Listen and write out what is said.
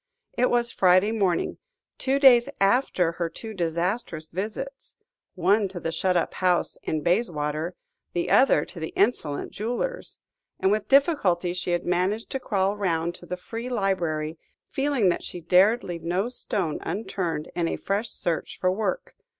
It was Friday morning, two days after her two disastrous visits one to the shut up house in Bayswater, the other to the insolent jewellers and with difficulty she had managed to crawl round to the Free Library, feeling that she dared leave no stone unturned in a fresh search for work.